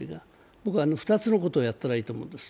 僕は、２つのことをやったらいいと思うんです。